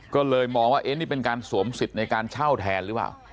ก็เลยมองว่านี่เป็นการสวมสิทธิ์ในการเช่าแทนหรือเปล่า